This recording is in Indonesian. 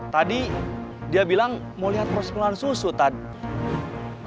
tadi dia bilang mau liat proses pengelolaan susu tadi